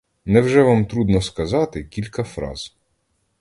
Невже вам трудно сказати кілька фраз?